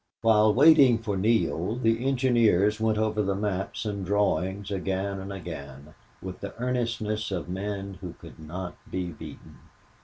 While waiting for Neale the engineers went over the maps and drawings again and again, with the earnestness of men who could not be beaten.